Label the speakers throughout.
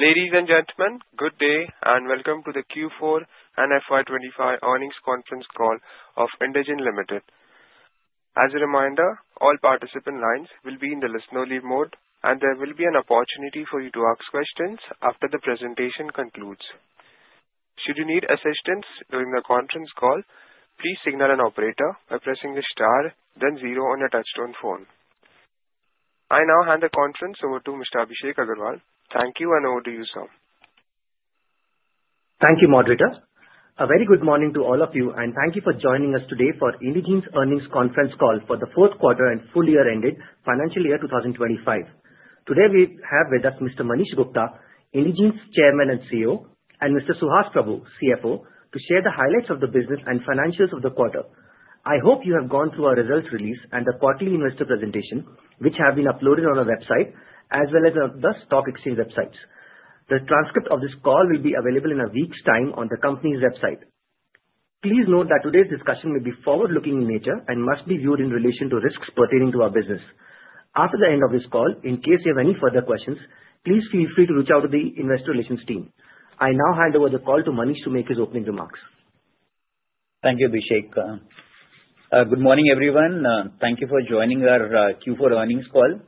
Speaker 1: Ladies and gentlemen, good day and welcome to the Q4 and FY25 earnings conference call of Indegene Limited. As a reminder, all participant lines will be in the listen-only mode, and there will be an opportunity for you to ask questions after the presentation concludes. Should you need assistance during the conference call, please signal an operator by pressing the star, then zero on your touch-tone phone. I now hand the conference over to Mr. Abhishek Agarwal. Thank you, and over to you, sir.
Speaker 2: Thank you, Moderator. A very good morning to all of you, and thank you for joining us today for Indegene's earnings conference call for the fourth quarter and full year ended financial year 2025. Today, we have with us Mr. Manish Gupta, Indegene's Chairman and CEO, and Mr. Suhas Prabhu, CFO, to share the highlights of the business and financials of the quarter. I hope you have gone through our results release and the quarterly investor presentation, which have been uploaded on our website, as well as the stock exchange websites. The transcript of this call will be available in a week's time on the company's website. Please note that today's discussion may be forward-looking in nature and must be viewed in relation to risks pertaining to our business. After the end of this call, in case you have any further questions, please feel free to reach out to the investor relations team. I now hand over the call to Manish to make his opening remarks.
Speaker 3: Thank you, Abhishek. Good morning, everyone. Thank you for joining our Q4 earnings call.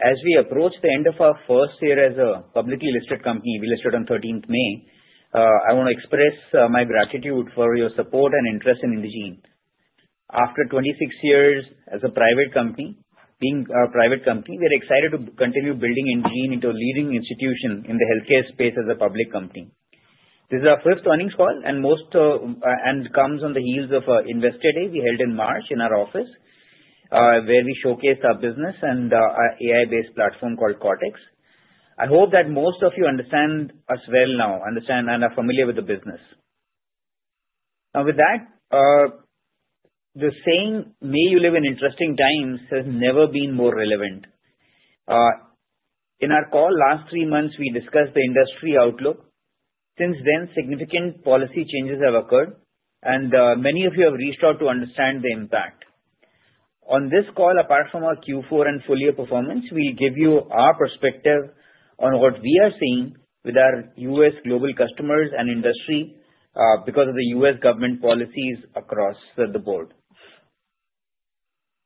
Speaker 3: As we approach the end of our first year as a publicly listed company, we listed on 13th May. I want to express my gratitude for your support and interest in Indegene. After 26 years as a private company, we are excited to continue building Indegene into a leading institution in the healthcare space as a public company. This is our fifth earnings call, and this comes on the heels of our Investor Day we held in March in our office, where we showcased our business and our AI-based platform called Cortex. I hope that most of you understand us well now and are familiar with the business. Now, with that, the saying, "May you live in interesting times," has never been more relevant. In our call last three months, we discussed the industry outlook. Since then, significant policy changes have occurred, and many of you have reached out to understand the impact. On this call, apart from our Q4 and full year performance, we'll give you our perspective on what we are seeing with our U.S. global customers and industry because of the U.S. government policies across the board.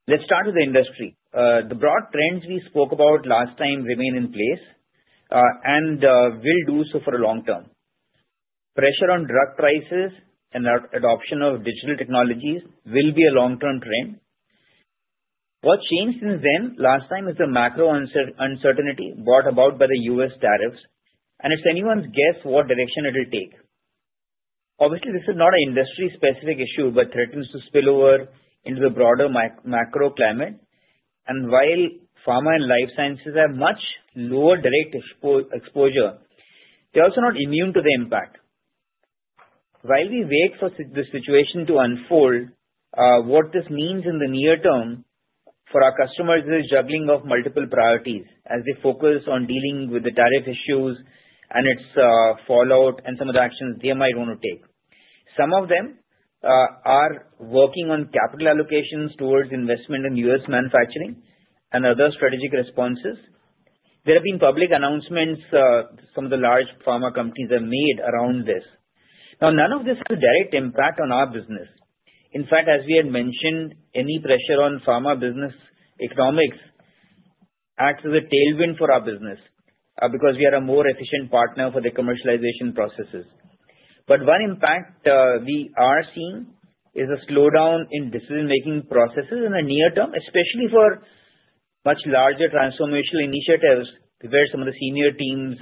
Speaker 3: Let's start with the industry. The broad trends we spoke about last time remain in place and will do so for the long term. Pressure on drug prices and adoption of digital technologies will be a long-term trend. What changed since then last time is the macro uncertainty brought about by the U.S. tariffs, and it's anyone's guess what direction it will take. Obviously, this is not an industry-specific issue but threatens to spill over into the broader macro climate. And while pharma and life sciences have much lower direct exposure, they're also not immune to the impact. While we wait for the situation to unfold, what this means in the near term for our customers is juggling of multiple priorities as they focus on dealing with the tariff issues and its fallout and some of the actions they might want to take. Some of them are working on capital allocations towards investment in U.S. manufacturing and other strategic responses. There have been public announcements some of the large pharma companies have made around this. Now, none of this has a direct impact on our business. In fact, as we had mentioned, any pressure on pharma business economics acts as a tailwind for our business because we are a more efficient partner for the commercialization processes. One impact we are seeing is a slowdown in decision-making processes in the near term, especially for much larger transformational initiatives where some of the senior teams'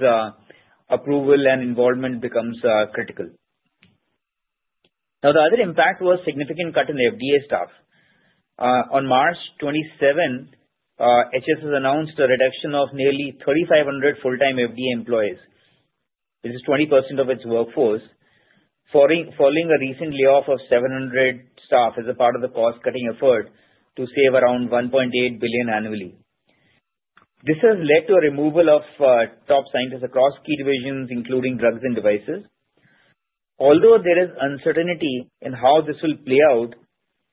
Speaker 3: approval and involvement becomes critical. Now, the other impact was a significant cut in the FDA staff. On March 27, HHS announced a reduction of nearly 3,500 full-time FDA employees. This is 20% of its workforce, following a recent layoff of 700 staff as a part of the cost-cutting effort to save around $1.8 billion annually. This has led to a removal of top scientists across key divisions, including drugs and devices. Although there is uncertainty in how this will play out,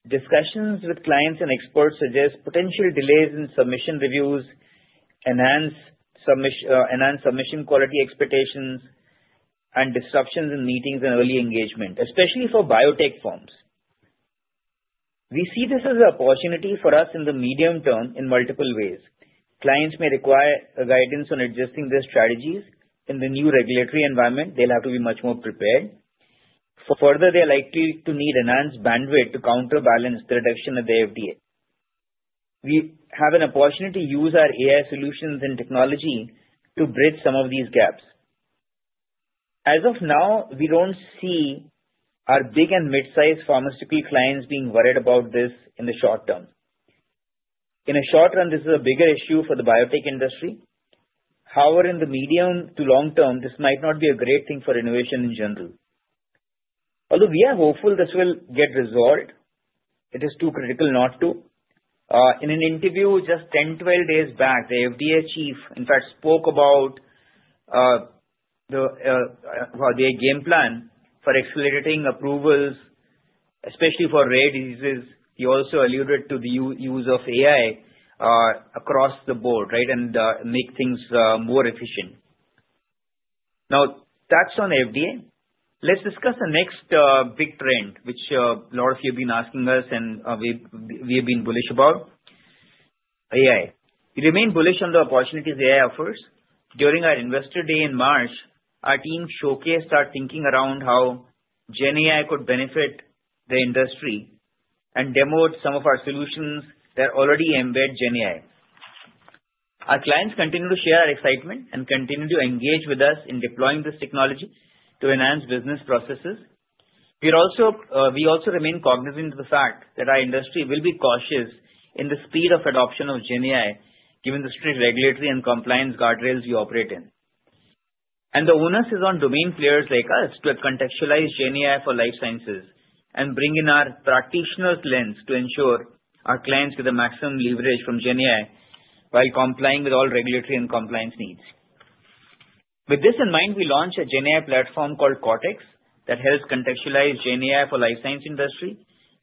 Speaker 3: discussions with clients and experts suggest potential delays in submission reviews, enhanced submission quality expectations, and disruptions in meetings and early engagement, especially for biotech firms. We see this as an opportunity for us in the medium term in multiple ways. Clients may require guidance on adjusting their strategies. In the new regulatory environment, they'll have to be much more prepared. Further, they're likely to need enhanced bandwidth to counterbalance the reduction of the FDA. We have an opportunity to use our AI solutions and technology to bridge some of these gaps. As of now, we don't see our big and mid-size pharmaceutical clients being worried about this in the short term. In the short term, this is a bigger issue for the biotech industry. However, in the medium to long term, this might not be a great thing for innovation in general. Although we are hopeful this will get resolved, it is too critical not to. In an interview just 10, 12 days back, the FDA chief, in fact, spoke about their game plan for accelerating approvals, especially for rare diseases. He also alluded to the use of AI across the board, right, and make things more efficient. Now, that's on the FDA. Let's discuss the next big trend, which a lot of you have been asking us, and we have been bullish about: AI. We remain bullish on the opportunities AI offers. During our Investor Day in March, our team showcased our thinking around how GenAI could benefit the industry and demoed some of our solutions that already embed GenAI. Our clients continue to share our excitement and continue to engage with us in deploying this technology to enhance business processes. We also remain cognizant of the fact that our industry will be cautious in the speed of adoption of GenAI, given the strict regulatory and compliance guardrails we operate in, and the onus is on domain players like us to contextualize GenAI for life sciences and bring in our practitioner's lens to ensure our clients get the maximum leverage from GenAI while complying with all regulatory and compliance needs. With this in mind, we launched a GenAI platform called Cortex that helps contextualize GenAI for the life science industry,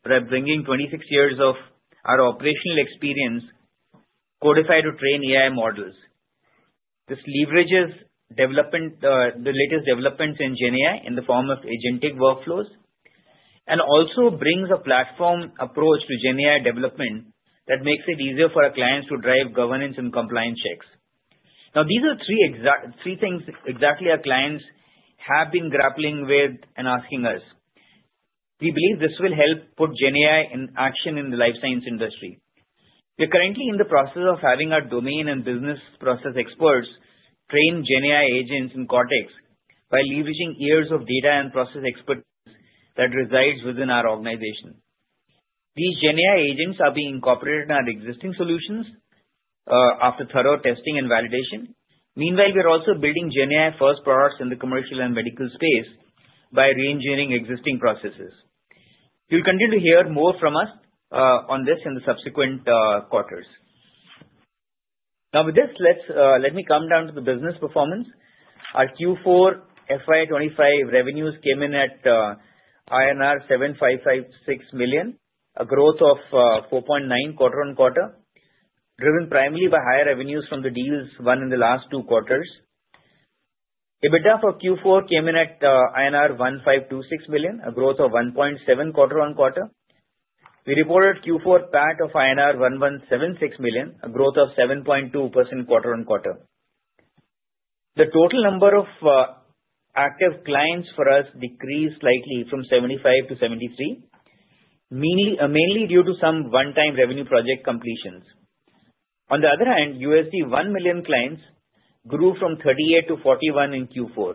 Speaker 3: bringing 26 years of our operational experience codified to train AI models. This leverages the latest developments in GenAI in the form of agentic workflows and also brings a platform approach to GenAI development that makes it easier for our clients to drive governance and compliance checks. Now, these are three things exactly our clients have been grappling with and asking us. We believe this will help put GenAI in action in the life science industry. We're currently in the process of having our domain and business process experts train GenAI agents in Cortex by leveraging years of data and process expertise that resides within our organization. These GenAI agents are being incorporated in our existing solutions after thorough testing and validation. Meanwhile, we're also building GenAI-first products in the commercial and medical space by re-engineering existing processes. You'll continue to hear more from us on this in the subsequent quarters. Now, with this, let me come down to the business performance. Our Q4 FY25 revenues came in at INR 7,556 million, a growth of 4.9% quarter on quarter, driven primarily by higher revenues from the deals won in the last two quarters. EBITDA for Q4 came in at INR 1,526 million, a growth of 1.7% quarter on quarter. We reported Q4 PAT of INR 1,176 million, a growth of 7.2% quarter on quarter. The total number of active clients for us decreased slightly from 75 to 73, mainly due to some one-time revenue project completions. On the other hand, $1 million clients grew from 38 to 41 in Q4.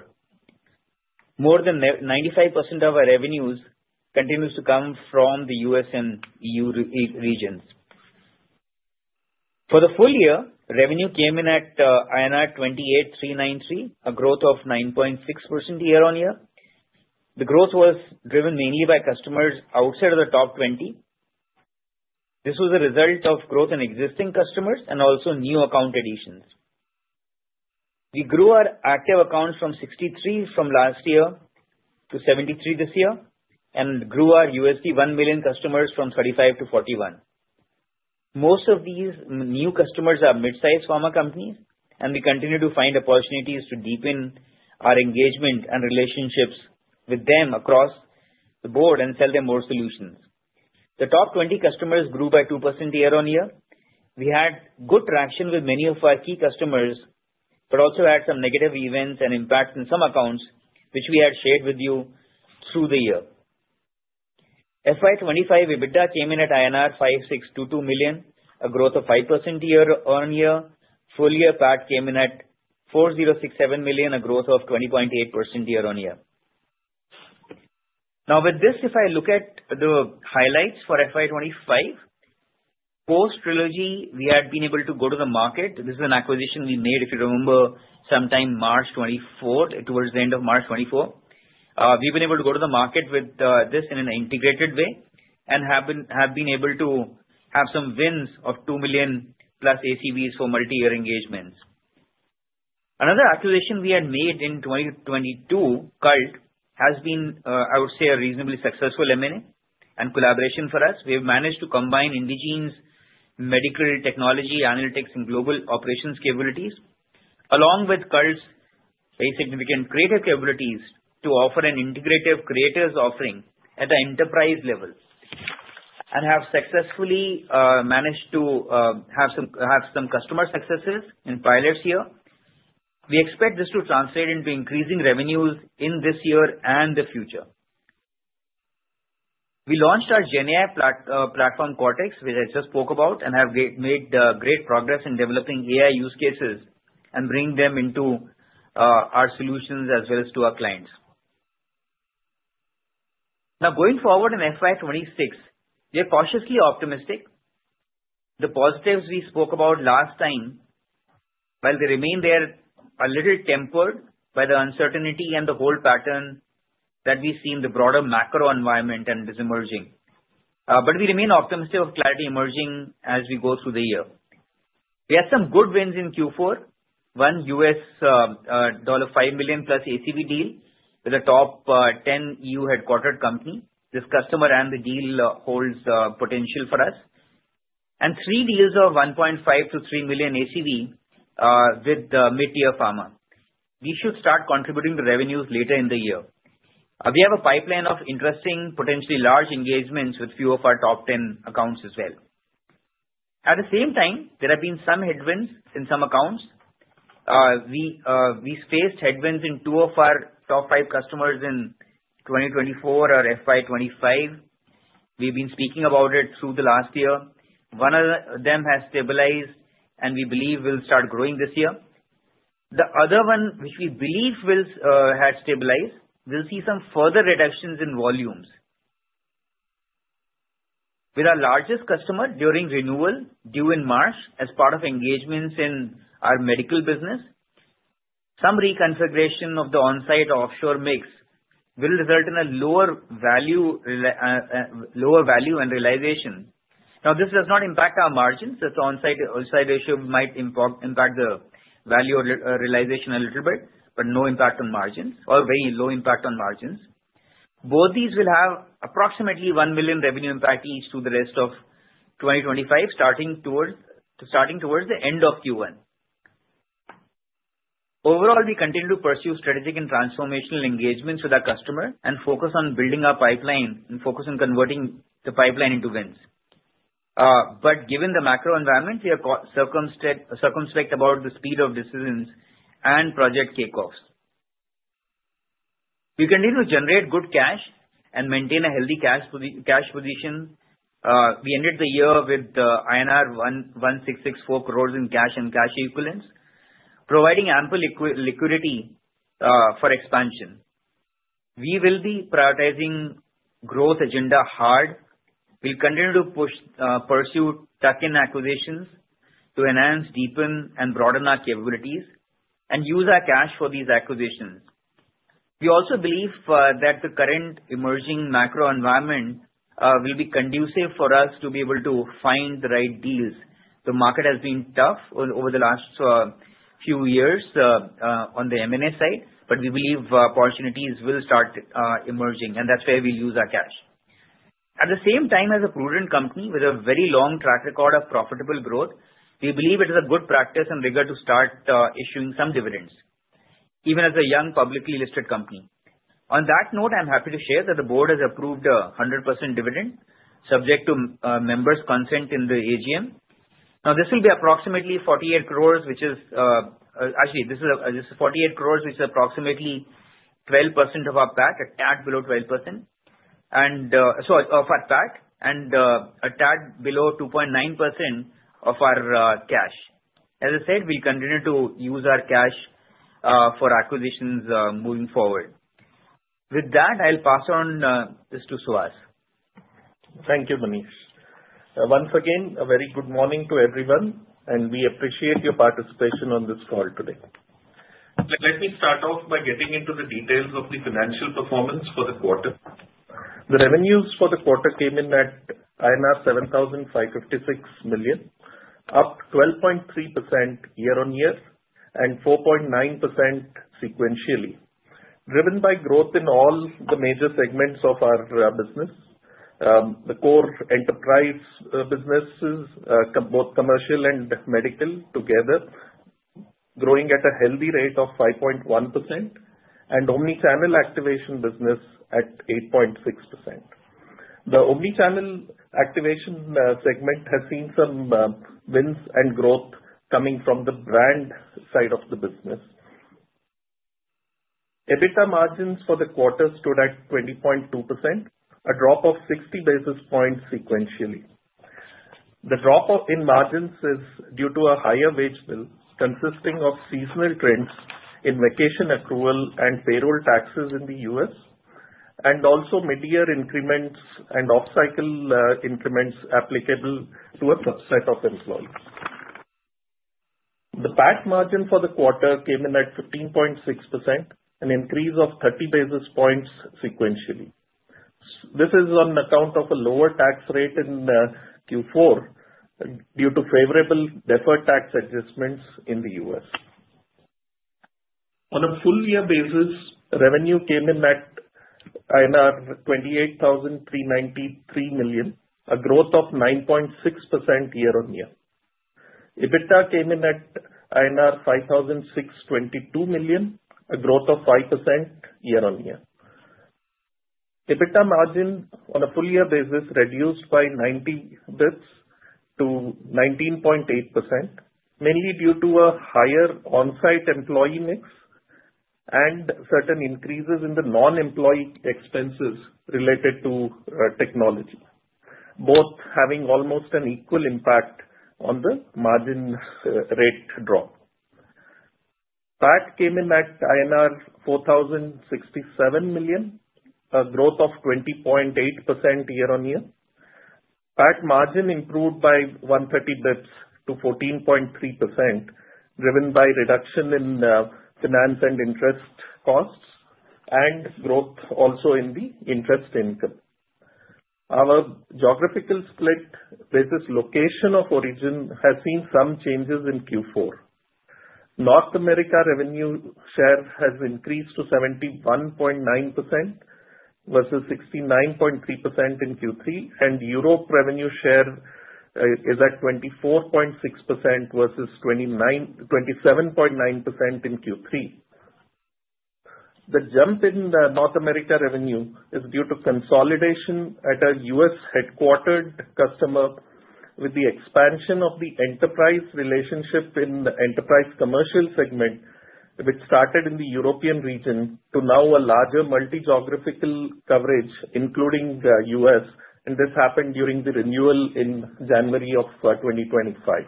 Speaker 3: More than 95% of our revenues continue to come from the U.S. and E.U. regions. For the full year, revenue came in at INR 28,393 million, a growth of 9.6% year on year. The growth was driven mainly by customers outside of the top 20. This was a result of growth in existing customers and also new account additions. We grew our active accounts from 63 last year to 73 this year and grew our $1 million customers from 35 to 41. Most of these new customers are mid-size pharma companies, and we continue to find opportunities to deepen our engagement and relationships with them across the board and sell them more solutions. The top 20 customers grew by 2% year on year. We had good traction with many of our key customers but also had some negative events and impacts in some accounts, which we had shared with you through the year. FY25 EBITDA came in at INR 5,622 million, a growth of 5% year on year. Full year PAT came in at 4,067 million, a growth of 20.8% year on year. Now, with this, if I look at the highlights for FY25, post-Trilogy, we had been able to go to the market. This is an acquisition we made, if you remember, sometime March 2024, towards the end of March 2024. We've been able to go to the market with this in an integrated way and have been able to have some wins of 2 million plus ACVs for multi-year engagements. Another acquisition we had made in 2022, Cult, has been, I would say, a reasonably successful M&A and collaboration for us. We have managed to combine Indegene's medical technology analytics and global operations capabilities along with Cult's very significant creative capabilities to offer an integrative creators offering at the enterprise level and have successfully managed to have some customer successes in pilots here. We expect this to translate into increasing revenues in this year and the future. We launched our GenAI platform, Cortex, which I just spoke about, and have made great progress in developing AI use cases and bringing them into our solutions as well as to our clients. Now, going forward in FY26, we are cautiously optimistic. The positives we spoke about last time, while they remain there, are a little tempered by the uncertainty and the whole pattern that we see in the broader macro environment and is emerging. But we remain optimistic of clarity emerging as we go through the year. We had some good wins in Q4, one U.S. $5 million-plus ACV deal with a top 10 EU-headquartered company. This customer and the deal holds potential for us, and three deals of 1.5-3 million ACV with the mid-tier pharma. We should start contributing the revenues later in the year. We have a pipeline of interesting, potentially large engagements with a few of our top 10 accounts as well. At the same time, there have been some headwinds in some accounts. We faced headwinds in two of our top five customers in 2024 or FY 2025. We've been speaking about it through the last year. One of them has stabilized, and we believe will start growing this year. The other one, which we believe had stabilized, we'll see some further reductions in volumes. With our largest customer during renewal due in March as part of engagements in our medical business, some reconfiguration of the onsite or offshore mix will result in a lower value and realization. Now, this does not impact our margins. This onsite-offsite ratio might impact the value or realization a little bit, but no impact on margins or very low impact on margins. Both these will have approximately 1 million revenue impact each to the rest of 2025, starting towards the end of Q1. Overall, we continue to pursue strategic and transformational engagements with our customer and focus on building our pipeline and focus on converting the pipeline into wins. But given the macro environment, we are circumspect about the speed of decisions and project kickoffs. We continue to generate good cash and maintain a healthy cash position. We ended the year with 1,664 crores in cash and cash equivalents, providing ample liquidity for expansion. We will be prioritizing growth agenda hard. We'll continue to pursue tuck-in acquisitions to enhance, deepen, and broaden our capabilities and use our cash for these acquisitions. We also believe that the current emerging macro environment will be conducive for us to be able to find the right deals. The market has been tough over the last few years on the M&A side, but we believe opportunities will start emerging, and that's where we'll use our cash. At the same time, as a prudent company with a very long track record of profitable growth, we believe it is a good practice and rigor to start issuing some dividends, even as a young publicly listed company. On that note, I'm happy to share that the board has approved a 100% dividend subject to members' consent in the AGM. Now, this will be approximately 48 crores, which is actually, this is 48 crores, which is approximately 12% of our PAT, a payout below 12%, and so of our PAT and a payout below 2.9% of our cash. As I said, we'll continue to use our cash for acquisitions moving forward. With that, I'll pass on this to Suhas. Thank you, Manish.
Speaker 4: Once again, a very good morning to everyone, and we appreciate your participation on this call today. Let me start off by getting into the details of the financial performance for the quarter. The revenues for the quarter came in at INR 7,556 million, up 12.3% year on year and 4.9% sequentially, driven by growth in all the major segments of our business. The core enterprise businesses, both commercial and medical, together growing at a healthy rate of 5.1% and omnichannel activation business at 8.6%. The omnichannel activation segment has seen some wins and growth coming from the brand side of the business. EBITDA margins for the quarter stood at 20.2%, a drop of 60 basis points sequentially. The drop in margins is due to a higher wage bill consisting of seasonal trends in vacation accrual and payroll taxes in the U.S. and also mid-year increments and off-cycle increments applicable to a subset of employees. The PAT margin for the quarter came in at 15.6%, an increase of 30 basis points sequentially. This is on account of a lower tax rate in Q4 due to favorable deferred tax adjustments in the U.S. On a full-year basis, revenue came in at INR 28,393 million, a growth of 9.6% year on year. EBITDA came in at INR 5,622 million, a growth of 5% year on year. EBITDA margin on a full-year basis reduced by 90 basis points to 19.8%, mainly due to a higher onsite employee mix and certain increases in the non-employee expenses related to technology, both having almost an equal impact on the margin rate drop. PAT came in at INR 4,067 million, a growth of 20.8% year on year. PAT margin improved by 130 basis points to 14.3%, driven by reduction in finance and interest costs and growth also in the interest income. Our geographical split basis location of origin has seen some changes in Q4. North America revenue share has increased to 71.9% versus 69.3% in Q3, and Europe revenue share is at 24.6% versus 27.9% in Q3. The jump in North America revenue is due to consolidation at a U.S. headquartered customer with the expansion of the enterprise relationship in the enterprise commercial segment, which started in the European region to now a larger multi-geographical coverage, including the U.S., and this happened during the renewal in January of 2025.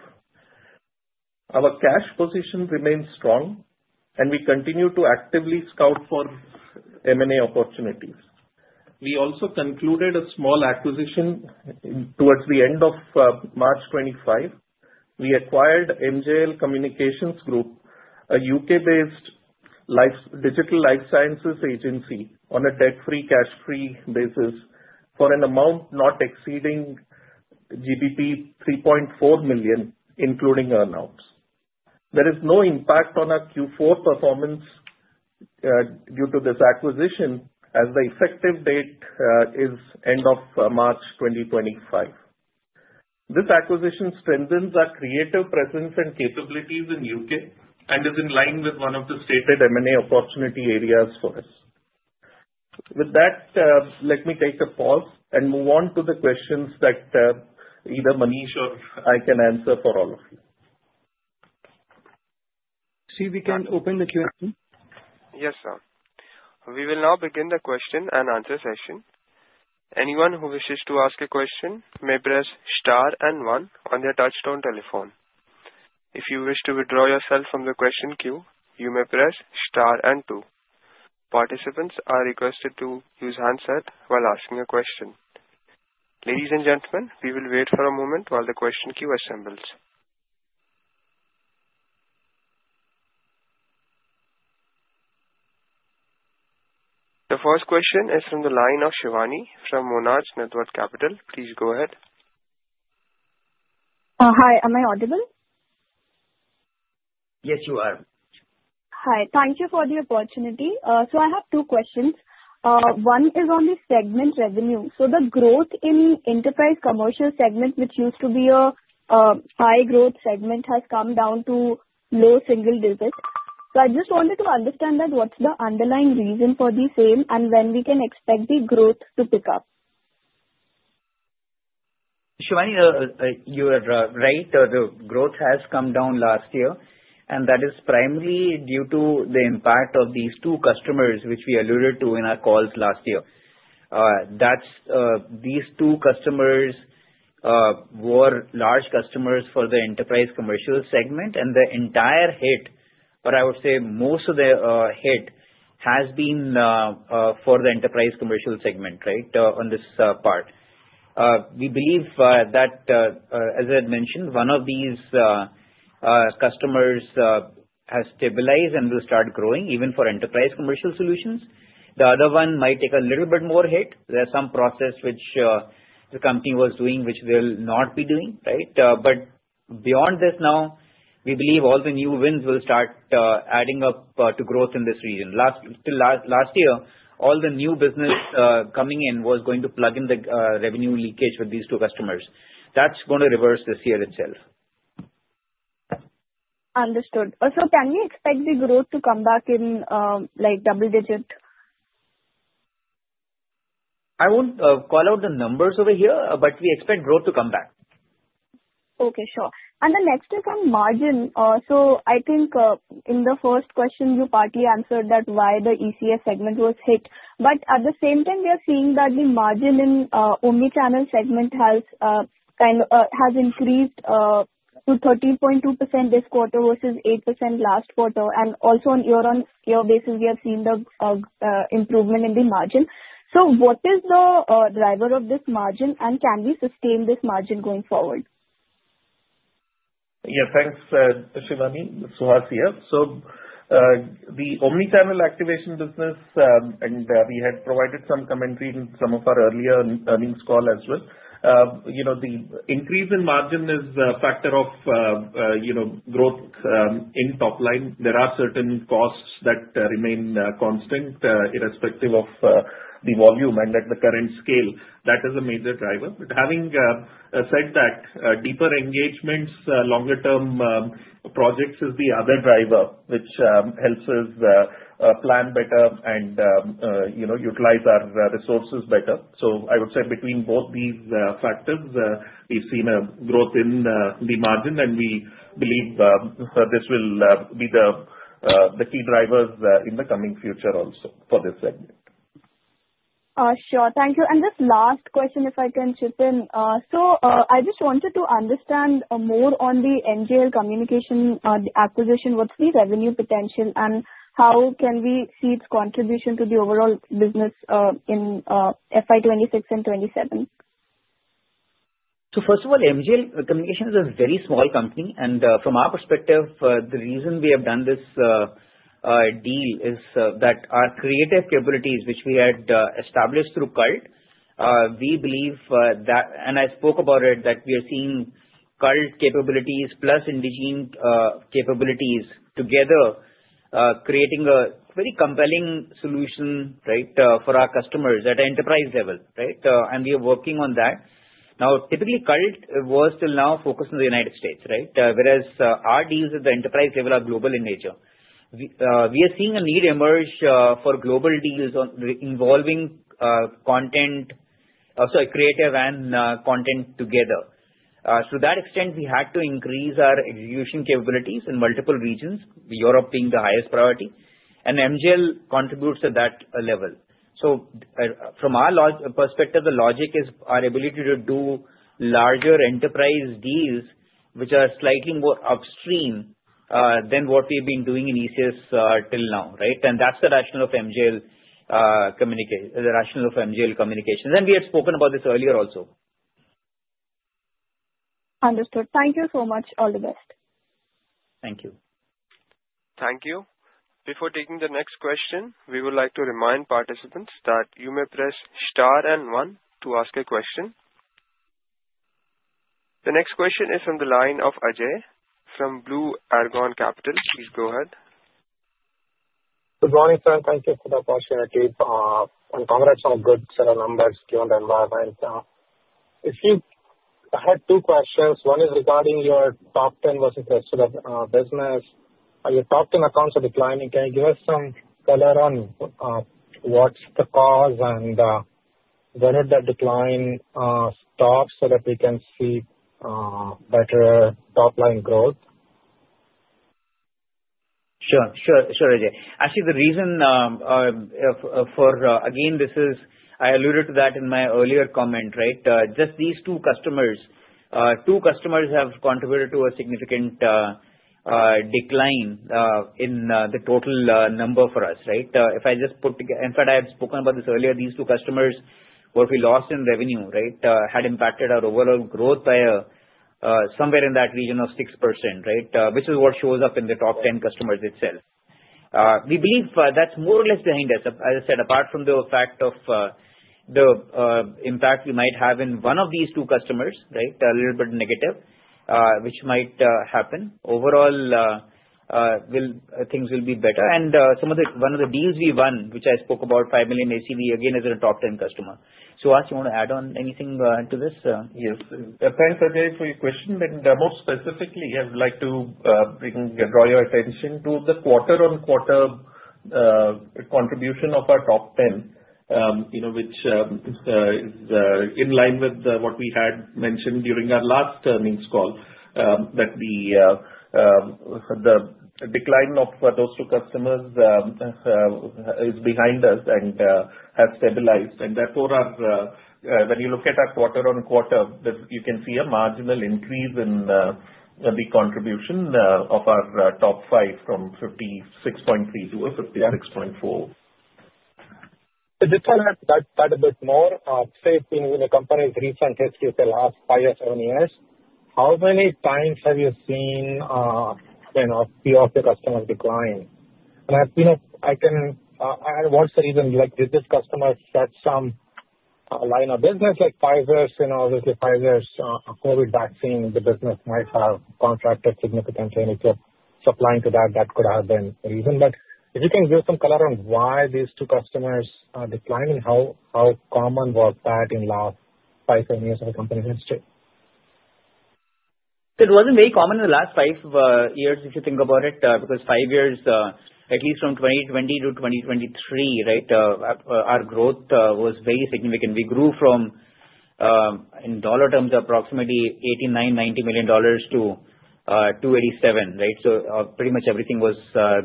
Speaker 4: Our cash position remains strong, and we continue to actively scout for M&A opportunities. We also concluded a small acquisition towards the end of March 2025. We acquired MJL Communications Group, a UK-based digital life sciences agency on a debt-free, cash-free basis for an amount not exceeding 3.4 million, including earnouts. There is no impact on our Q4 performance due to this acquisition, as the effective date is end of March 2025. This acquisition strengthens our creative presence and capabilities in the UK and is in line with one of the stated M&A opportunity areas for us. With that, let me take a pause and move on to the questions that either Manish or I can answer for all of you. See, we can open the Q&A. Yes, sir.
Speaker 1: We will now begin the question and answer session. Anyone who wishes to ask a question may press star and one on their touch-tone telephone. If you wish to withdraw yourself from the question queue, you may press star and two. Participants are requested to use handset while asking a question. Ladies and gentlemen, we will wait for a moment while the question queue assembles. The first question is from the line of Shivani from Monarch Networth Capital. Please go ahead.
Speaker 5: Hi, am I audible? Yes, you are. Hi. Thank you for the opportunity. So I have two questions. One is on the segment revenue. So the growth in enterprise commercial segment, which used to be a high-growth segment, has come down to low single digits. So I just wanted to understand that what's the underlying reason for the same and when we can expect the growth to pick up?
Speaker 3: Shivani, you are right. The growth has come down last year, and that is primarily due to the impact of these two customers, which we alluded to in our calls last year. These two customers were large customers for the Enterprise Commercial segment, and the entire hit, or I would say most of the hit, has been for the Enterprise Commercial segment, right, on this part. We believe that, as I had mentioned, one of these customers has stabilized and will start growing, even for Enterprise Commercial solutions. The other one might take a little bit more hit. There's some process which the company was doing which they'll not be doing, right? But beyond this now, we believe all the new wins will start adding up to growth in this region. Last year, all the new business coming in was going to plug in the revenue leakage with these two customers. That's going to reverse this year itself.
Speaker 5: Understood. So can we expect the growth to come back in double digit?
Speaker 3: I won't call out the numbers over here, but we expect growth to come back.
Speaker 5: Okay, sure. And the next is on margin. So I think in the first question, you partly answered that why the ECS segment was hit. But at the same time, we are seeing that the margin in omnichannel segment has increased to 13.2% this quarter versus 8% last quarter. And also on year-on-year basis, we have seen the improvement in the margin. So what is the driver of this margin, and can we sustain this margin going forward?
Speaker 4: Yeah, thanks, Shivani. Suhas here. So the omnichannel activation business, and we had provided some commentary in some of our earlier earnings call as well. The increase in margin is a factor of growth in top line. There are certain costs that remain constant irrespective of the volume and at the current scale. That is a major driver. But having said that, deeper engagements, longer-term projects is the other driver, which helps us plan better and utilize our resources better. So I would say between both these factors, we've seen a growth in the margin, and we believe this will be the key drivers in the coming future also for this segment.
Speaker 5: Sure. Thank you. This last question, if I can chip in. So I just wanted to understand more on the MJL Communications acquisition, what's the revenue potential, and how can we see its contribution to the overall business in FY26 and FY27?
Speaker 3: So first of all, MJL Communications is a very small company, and from our perspective, the reason we have done this deal is that our creative capabilities, which we had established through CULT, we believe that, and I spoke about it, that we are seeing CULT capabilities plus Indegene capabilities together creating a very compelling solution, right, for our customers at an enterprise level, right? And we are working on that. Now, typically, CULT was till now focused on the United States, right? Whereas our deals at the enterprise level are global in nature. We are seeing a need emerge for global deals involving content, sorry, creative and content together. To that extent, we had to increase our execution capabilities in multiple regions, Europe being the highest priority, and MJL contributes at that level. So from our perspective, the logic is our ability to do larger enterprise deals, which are slightly more upstream than what we've been doing in ECS till now, right? And that's the rationale of MJL Communications. And we had spoken about this earlier also.
Speaker 5: Understood. Thank you so much. All the best.
Speaker 3: Thank you.
Speaker 1: Thank you. Before taking the next question, we would like to remind participants that you may press star and one to ask a question. The next question is from the line of Ajay from Blue Argon Capital. Please go ahead.
Speaker 6: Good morning, sir. Thank you for the opportunity. And congrats on a good set of numbers given the environment. If you had two questions, one is regarding your top 10 versus the rest of the business. Your top 10 accounts are declining. Can you give us some color on what's the cause and when did that decline stop so that we can see better top-line growth?
Speaker 3: Sure. Sure, sure, Ajay. Actually, the reason for, again, this is I alluded to that in my earlier comment, right? Just these two customers, two customers have contributed to a significant decline in the total number for us, right? If I just put together, in fact, I had spoken about this earlier, these two customers, what we lost in revenue, right, had impacted our overall growth by somewhere in that region of 6%, right? Which is what shows up in the top 10 customers itself. We believe that's more or less behind us. As I said, apart from the fact of the impact we might have in one of these two customers, right, a little bit negative, which might happen. Overall, things will be better. And one of the deals we won, which I spoke about, 5 million ACV, again, is a top 10 customer. Suhas, you want to add on anything to this?
Speaker 4: Yes. Thanks, Ajay, for your question. But more specifically, I would like to draw your attention to the quarter-on-quarter contribution of our top 10, which is in line with what we had mentioned during our last earnings call, that the decline of those two customers is behind us and has stabilized. And that, when you look at our quarter-on-quarter, you can see a marginal increase in the contribution of our top five from 56.3 to 56.4.
Speaker 2: Let me talk about that a bit more. In a company's recent history for the last five or seven years, how many times have you seen a few of your customers decline? And I can add one reason. Did this customer set some line of business like Pfizer's? Obviously, Pfizer's COVID vaccine, the business might have contracted significantly. And if you're supplying to that, that could have been a reason. But if you can give some color on why these two customers are declining and how common was that in the last five or seven years of the company's history?
Speaker 3: It wasn't very common in the last five years if you think about it, because five years, at least from 2020 to 2023, right, our growth was very significant. We grew from, in dollar terms, approximately $89-$90 million to $287 million, right? Pretty much everything was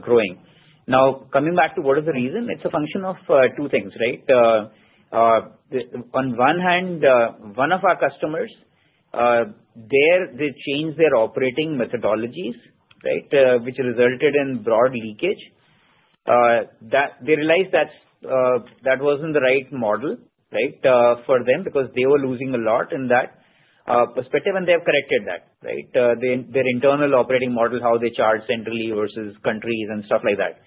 Speaker 3: growing. Now, coming back to what is the reason, it's a function of two things, right? On one hand, one of our customers, they changed their operating methodologies, right, which resulted in broad leakage. They realized that wasn't the right model, right, for them because they were losing a lot in that perspective, and they have corrected that, right? Their internal operating model, how they charge centrally versus countries and stuff like that.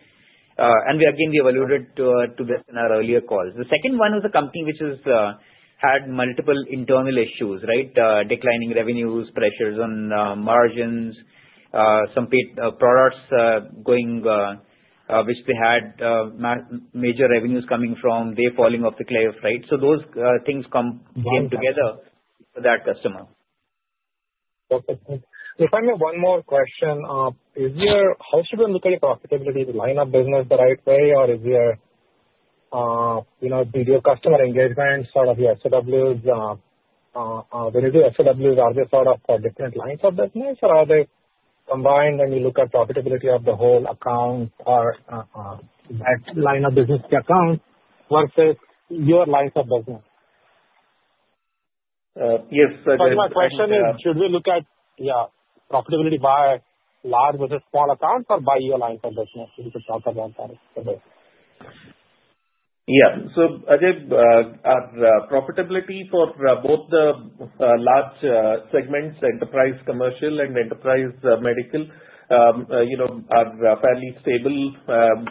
Speaker 3: And again, we have alluded to this in our earlier calls. The second one was a company which had multiple internal issues, right? Declining revenues, pressures on margins, some products going which they had major revenues coming from, they falling off the cliff, right? So those things came together for that customer.
Speaker 6: Perfect. If I may have one more question, how should we look at your profitability, the line of business the right way, or is there your customer engagement, sort of your SOWs? When you do SOWs, are they sort of for different lines of business, or are they combined when you look at profitability of the whole account or that line of business account versus your lines of business?
Speaker 4: Yes, Ajay.
Speaker 6: So my question is, should we look at, yeah, profitability by large versus small accounts or by your lines of business? We could talk about that today.
Speaker 4: Yeah. So Ajay, profitability for both the large segments, Enterprise Commercial and Enterprise Medical, are fairly stable.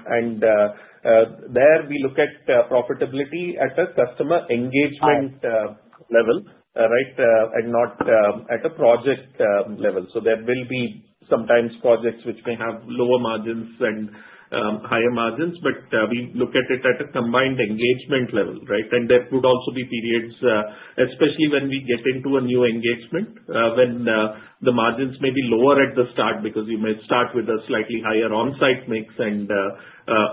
Speaker 4: And there, we look at profitability at a customer engagement level, right, and not at a project level. So there will be sometimes projects which may have lower margins and higher margins, but we look at it at a combined engagement level, right? And there could also be periods, especially when we get into a new engagement, when the margins may be lower at the start because you may start with a slightly higher on-site mix and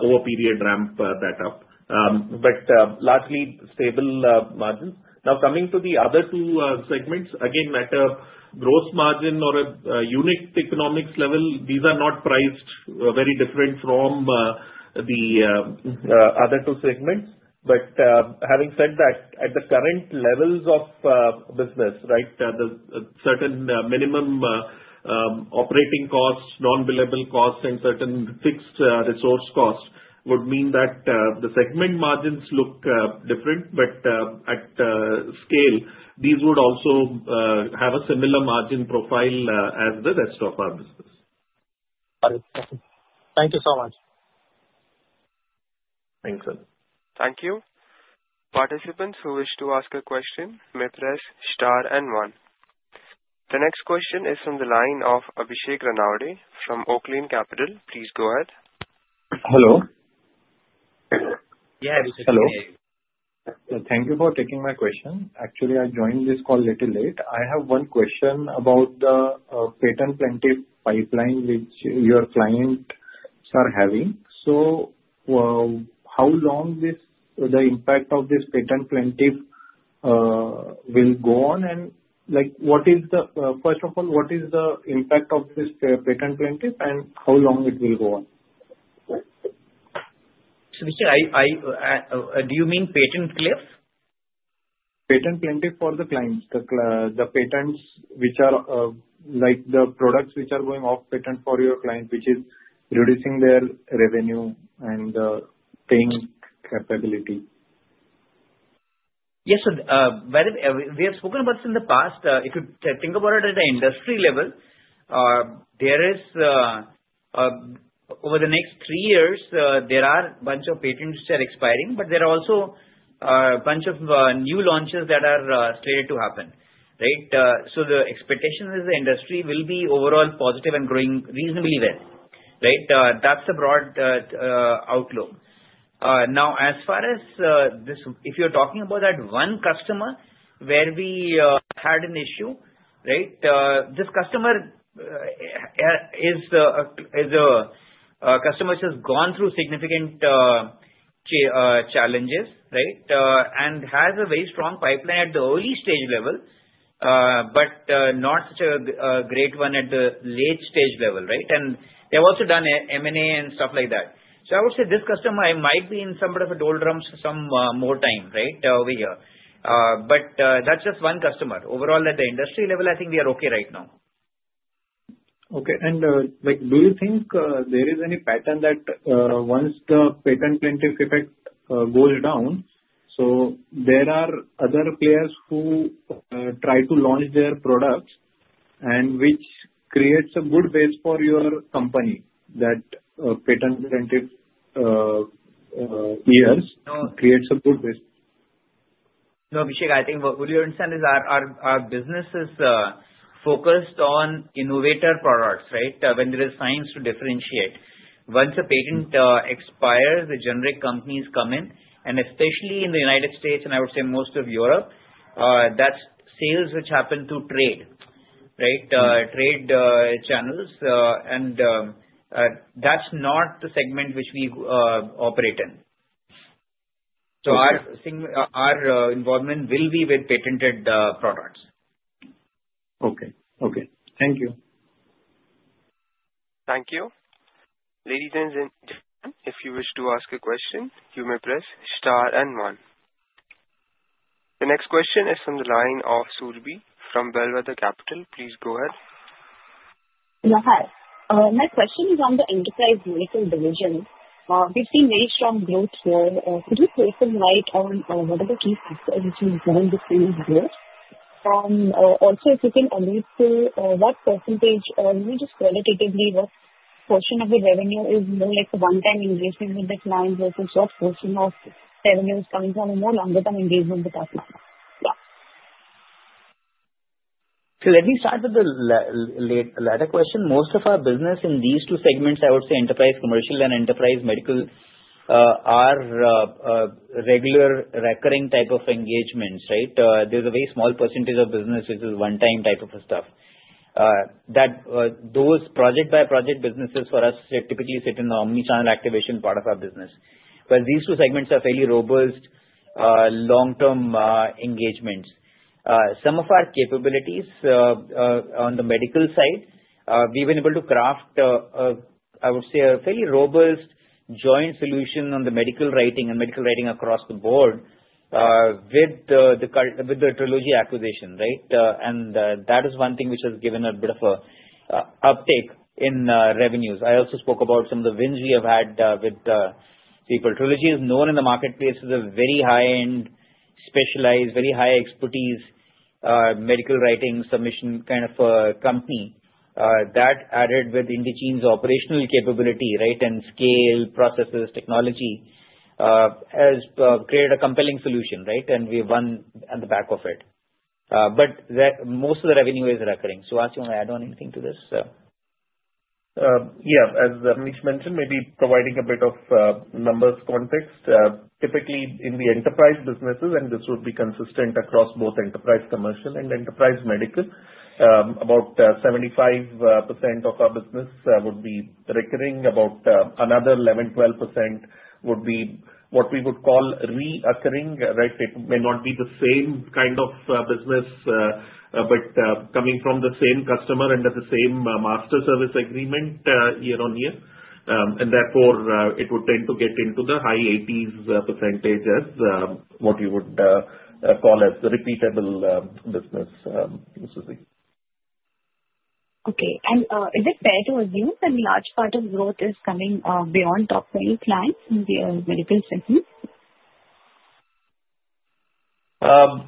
Speaker 4: over a period ramp that up. But largely stable margins. Now, coming to the other two segments, again, at a gross margin or a unit economics level, these are not priced very different from the other two segments. But having said that, at the current levels of business, right, the certain minimum operating costs, non-billable costs, and certain fixed resource costs would mean that the segment margins look different. But at scale, these would also have a similar margin profile as the rest of our business.
Speaker 6: Got it. Thank you so much.
Speaker 1: Thanks, sir. Thank you. Participants who wish to ask a question may press star and one. The next question is from the line of Abhishek Shrut from Oaklane Capital. Please go ahead.
Speaker 7: Hello. Yeah, Abhishek. Hello. Thank you for taking my question. Actually, I joined this call a little late. I have one question about the patent cliff pipeline which your clients are having. So how long the impact of this patent cliff will go on, and what is the first of all, what is the impact of this patent cliff, and how long it will go on?
Speaker 3: Abhishek, do you mean patent cliff?
Speaker 7: Patent cliff for the clients, the patents which are like the products which are going off patent for your client, which is reducing their revenue and paying capability.
Speaker 3: Yes. We have spoken about this in the past. If you think about it at an industry level, there is over the next three years, there are a bunch of patents which are expiring, but there are also a bunch of new launches that are slated to happen, right? So the expectation is the industry will be overall positive and growing reasonably well, right? That's the broad outlook. Now, as far as this, if you're talking about that one customer where we had an issue, right, this customer is a customer who has gone through significant challenges, right, and has a very strong pipeline at the early stage level, but not such a great one at the late stage level, right? And they've also done M&A and stuff like that. So I would say this customer might be in somewhat of a doldrums for some more time, right, over here, but that's just one customer. Overall, at the industry level, I think we are okay right now.
Speaker 7: Okay. And do you think there is any pattern that once the patent cliff effect goes down, so there are other players who try to launch their products and which creates a good base for your company that patent cliff years creates a good base?
Speaker 3: No, Abhishek. I think what you understand is our business is focused on innovator products, right, when there is science to differentiate. Once a patent expires, the generic companies come in, and especially in the United States and I would say most of Europe, that's sales which happen through trade, right, trade channels. And that's not the segment which we operate in. So our involvement will be with patented products.
Speaker 7: Okay. Okay. Thank you.
Speaker 1: Thank you. Ladies and gentlemen, if you wish to ask a question, you may press star and one. The next question is from the line of Surabhi from Bellwether Capital. Please go ahead.
Speaker 8: Yeah. Hi. My question is on the Enterprise Medical division. We've seen very strong growth here. Could you clarify what are the key factors which you've seen the same growth? Also, if you can elucidate what percentage, maybe just qualitatively, what portion of the revenue is more like the one-time engagement with the client versus what portion of revenue is coming from a more longer-term engagement with our clients? Yeah.
Speaker 3: So let me start with the latter question. Most of our business in these two segments, I would say Enterprise Commercial and Enterprise Medical, are regular recurring type of engagements, right? There's a very small percentage of business which is one-time type of stuff. Those project-by-project businesses for us typically sit in the Omnichannel Activation part of our business. Whereas these two segments are fairly robust long-term engagements. Some of our capabilities on the medical side, we've been able to craft, I would say, a fairly robust joint solution on the medical writing and medical writing across the board with the Trilogy acquisition, right? And that is one thing which has given a bit of an uptake in revenues. I also spoke about some of the wins we have had with people. Trilogy is known in the marketplace as a very high-end, specialized, very high-expertise medical writing submission kind of company. That added with Indegene's operational capability, right, and scale, processes, technology, has created a compelling solution, right? And we won at the back of it. But most of the revenue is recurring. Suhas, do you want to add on anything to this?
Speaker 4: Yeah. As Abhishek mentioned, maybe providing a bit of numbers context. Typically, in the enterprise businesses, and this would be consistent across both Enterprise Commercial and Enterprise Medical, about 75% of our business would be recurring. About another 11-12% would be what we would call re-occurring, right? It may not be the same kind of business, but coming from the same customer under the same master service agreement year on year. And therefore, it would tend to get into the high 80s% as what you would call as the repeatable business.
Speaker 8: Okay. And is it fair to assume that a large part of growth is coming beyond top 20 clients in the medical segment?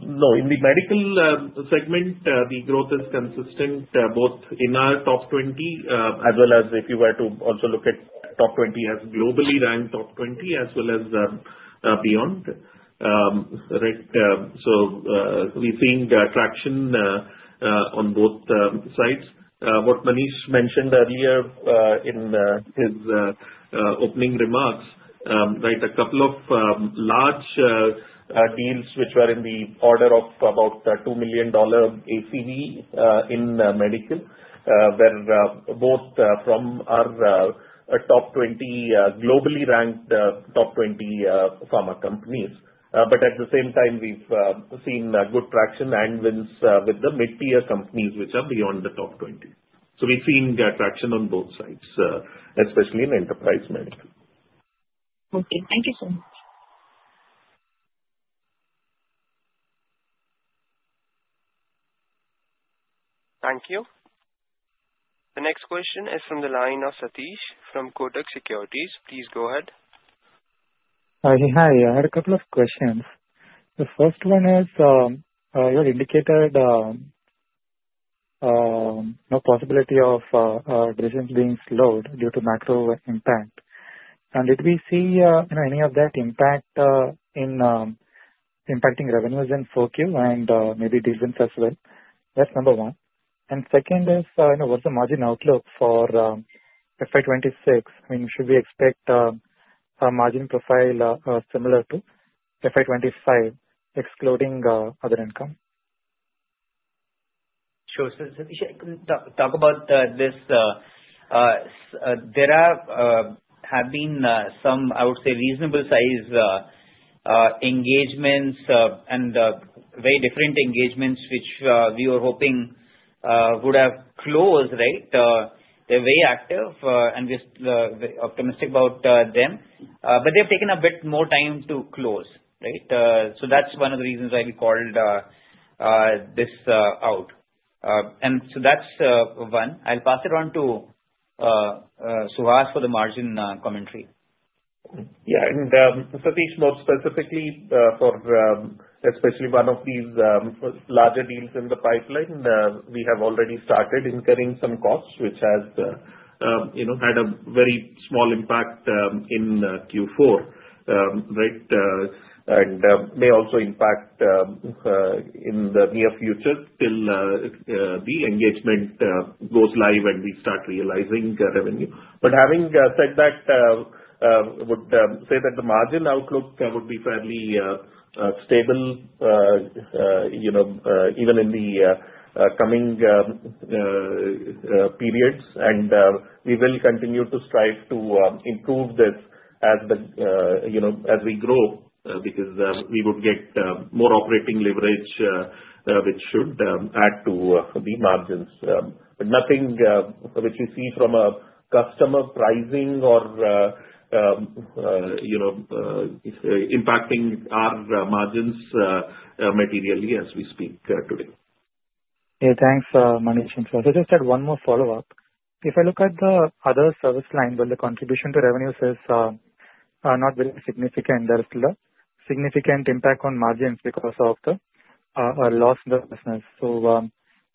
Speaker 2: No. In the medical segment, the growth is consistent both in our top 20 as well as if you were to also look at top 20 as globally ranked top 20 as well as beyond, right? So we've seen traction on both sides. What Manish mentioned earlier in his opening remarks, right, a couple of large deals which were in the order of about $2 million ACV in Medical, both from our top 20 globally ranked top 20 pharma companies. But at the same time, we've seen good traction and wins with the mid-tier companies which are beyond the top 20. So we've seen traction on both sides, especially in Enterprise Medical.
Speaker 8: Okay. Thank you so much.
Speaker 1: Thank you. The next question is from the line of Satish from Kotak Securities. Please go ahead.
Speaker 9: Hi. I had a couple of questions. The first one is you had indicated possibility of decisions being slowed due to macro impact. And did we see any of that impact impacting revenues and focus and maybe decisions as well? That's number one. And second is, what's the margin outlook for FY26? I mean, should we expect a margin profile similar to FY25, excluding other income?
Speaker 3: Sure. So Satish, I can talk about this. There have been some, I would say, reasonable-sized engagements and very different engagements which we were hoping would have closed, right? They're very active, and we're optimistic about them. But they've taken a bit more time to close, right? So that's one of the reasons why we called this out. And so that's one. I'll pass it on to Suhas for the margin commentary.
Speaker 4: Yeah. And Satish, more specifically, for especially one of these larger deals in the pipeline, we have already started incurring some costs which has had a very small impact in Q4, right, and may also impact in the near future till the engagement goes live and we start realizing revenue. But having said that, I would say that the margin outlook would be fairly stable even in the coming periods. And we will continue to strive to improve this as we grow because we would get more operating leverage, which should add to the margins. But nothing which we see from a customer pricing or impacting our margins materially as we speak today.
Speaker 9: Okay. Thanks, Manish. And so I just had one more follow-up. If I look at the other service line, where the contribution to revenue is not very significant, there is still a significant impact on margins because of the loss in the business. So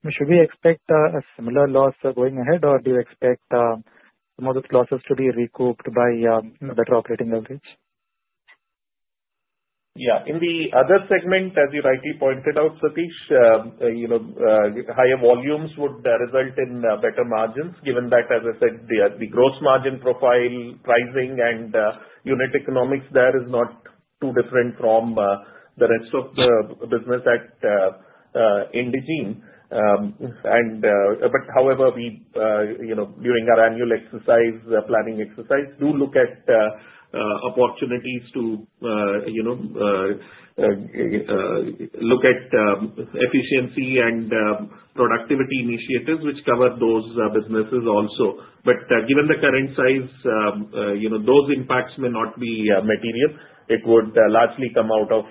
Speaker 9: should we expect a similar loss going ahead, or do you expect some of those losses to be recouped by better operating leverage?
Speaker 4: Yeah. In the other segment, as you rightly pointed out, Satish, higher volumes would result in better margins given that, as I said, the gross margin profile pricing and unit economics there is not too different from the rest of the business at Indegene. But however, during our annual exercise, planning exercise, do look at opportunities to look at efficiency and productivity initiatives which cover those businesses also. But given the current size, those impacts may not be material. It would largely come out of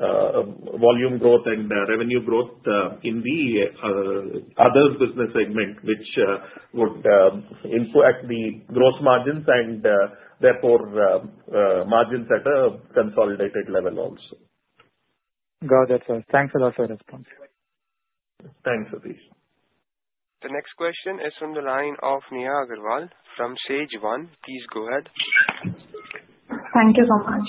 Speaker 4: volume growth and revenue growth in the other business segment which would impact the gross margins and therefore margins at a consolidated level also.
Speaker 9: Got it. Thanks a lot for your response.
Speaker 4: Thanks, Satish.
Speaker 1: The next question is from the line of Neha Agarwal from Sage One. Please go ahead.
Speaker 10: Thank you so much.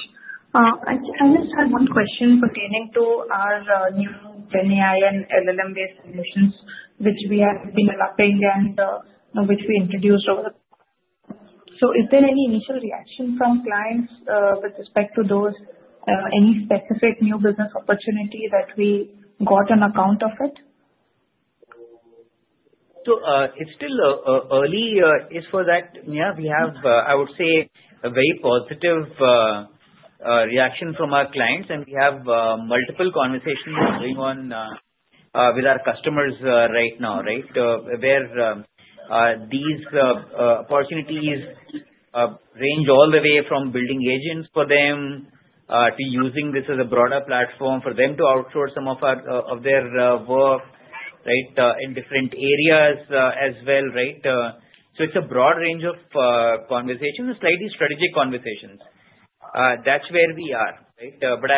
Speaker 10: I just had one question pertaining to our new GenAI and LLM-based solutions which we have been developing and which we introduced over the past. So is there any initial reaction from clients with respect to those? Any specific new business opportunity that we got on account of it?
Speaker 3: So it's still early as far as that. Yeah, we have, I would say, a very positive reaction from our clients, and we have multiple conversations going on with our customers right now, right, where these opportunities range all the way from building agents for them to using this as a broader platform for them to outsource some of their work, right, in different areas as well, right? So it's a broad range of conversations, quite strategic conversations. That's where we are, right? But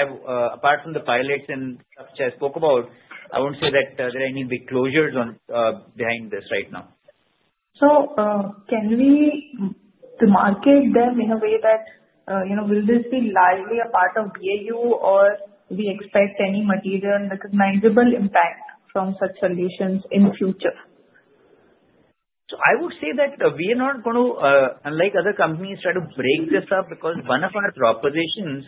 Speaker 3: apart from the pilots and stuff which I spoke about, I wouldn't say that there are any big closures behind this right now.
Speaker 10: So can we demarcate them in a way that will this be largely a part of BAU, or do we expect any material recognizable impact from such solutions in the future?
Speaker 3: So I would say that we are not going to, unlike other companies, try to break this up because one of our propositions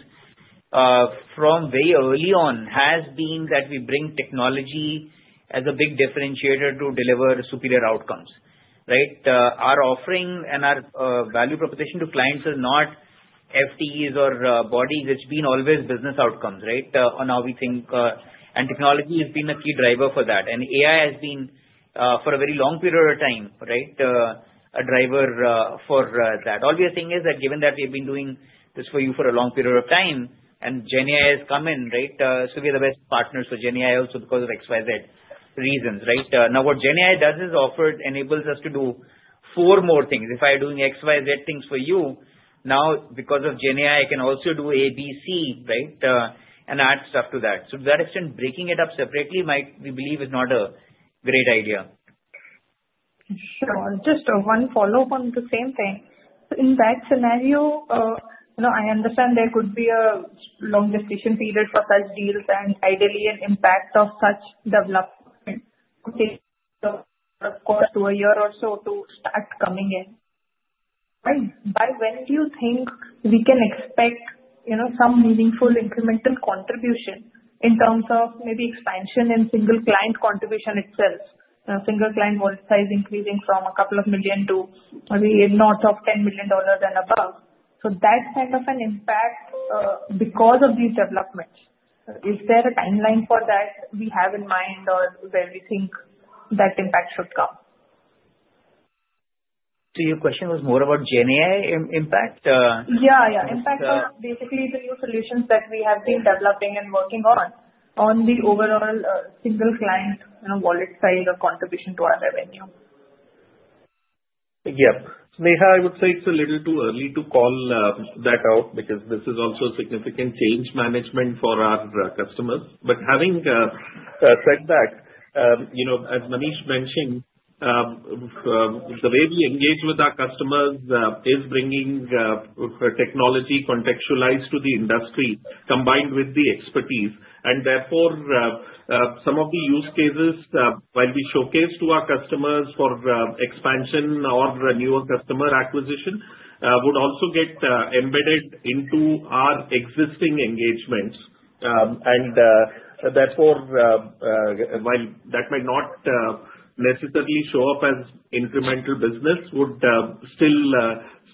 Speaker 3: from very early on has been that we bring technology as a big differentiator to deliver superior outcomes, right? Our offering and our value proposition to clients are not FTEs or bodies. It's been always business outcomes, right, on how we think. And technology has been a key driver for that. And AI has been, for a very long period of time, right, a driver for that. All we are saying is that given that we have been doing this for you for a long period of time, and GenAI has come in, right, so we are the best partners for GenAI also because of XYZ reasons, right? Now, what GenAI does is enables us to do four more things. If I'm doing XYZ things for you, now because of GenAI, I can also do A, B, C, right, and add stuff to that. So to that extent, breaking it up separately might, we believe, is not a great idea.
Speaker 10: Sure. Just one follow-up on the same thing. So in that scenario, I understand there could be a long decision period for such deals and ideally an impact of such development would take upwards of a year or so to start coming in. By when do you think we can expect some meaningful incremental contribution in terms of maybe expansion and single client contribution itself? Single client wallet increasing from a couple of million to maybe a lot of $10 million and above. So that kind of an impact because of these developments, is there a timeline for that we have in mind or where we think that impact should come?
Speaker 3: So your question was more about GenAI impact?
Speaker 10: Yeah. Yeah. Impact of basically the new solutions that we have been developing and working on on the overall single client wallet size or contribution to our revenue.
Speaker 3: Yeah. So Neha, I would say it's a little too early to call that out because this is also significant change management for our customers. But having said that, as Manish mentioned, the way we engage with our customers is bringing technology contextualized to the industry combined with the expertise. And therefore, some of the use cases might be showcased to our customers for expansion or newer customer acquisition would also get embedded into our existing engagements. And therefore, while that might not necessarily show up as incremental business, would still